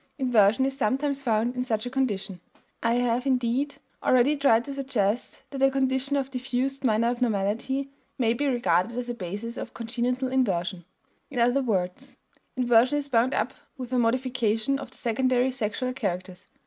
Inversion is sometimes found in such a condition. I have, indeed, already tried to suggest that a condition of diffused minor abnormality may be regarded as a basis of congenital inversion. In other words, inversion is bound up with a modification of the secondary sexual characters.